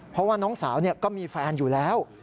เพราะว่าน้องสาวก็มีแฟนอยู่แล้ว